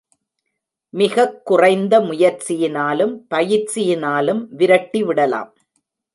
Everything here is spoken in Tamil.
மிகக் குறைந்த முயற்சியினாலும் பயிற்சியினாலும் விரட்டி விடலாம்.